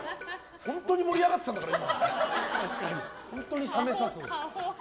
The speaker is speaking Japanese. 本当に盛り上がってたんだから。